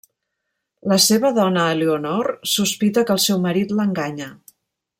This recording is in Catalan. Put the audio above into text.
La seva dona Eleonor sospita que el seu marit l'enganya.